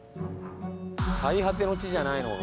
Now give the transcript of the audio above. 最果ての地じゃないのか？